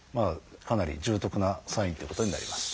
かなり重篤なサインっていうことになります。